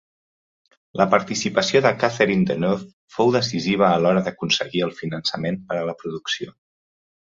La participació de Catherine Deneuve fou decisiva a l'hora d'aconseguir el finançament per a la producció.